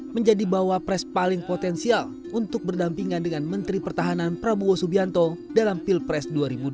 menjadi bawa pres paling potensial untuk berdampingan dengan menteri pertahanan prabowo subianto dalam pilpres dua ribu dua puluh